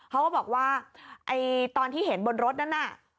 เขาก็บอกว่าไอ้ตอนที่เห็นบนรถนั้นน่ะ